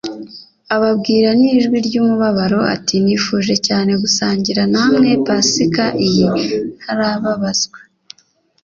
ababwira n'ijwi ry'umubabaro ati: "Nifuje cyane gusangira namwe Pasika iyi ntarababazwa.